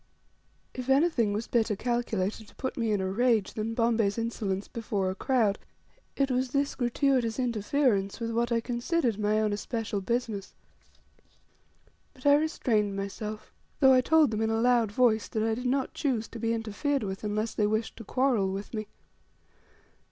If anything was better calculated to put me in a rage than Bombay's insolence before a crowd it was this gratuitous interference with what I considered my own especial business; but I restrained myself, though I told them, in a loud voice, that I did not choose to be interfered with, unless they wished to quarrel with me.